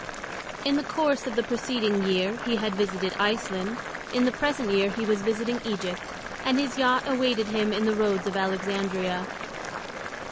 In the course of the preceding year he had visited Iceland; in the present year he was visiting Egypt, and his yacht awaited him in the roads of Alexandria.